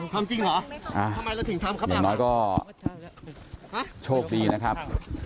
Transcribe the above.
ทำจริงหรออย่างน้อยก็โชคดีนะครับ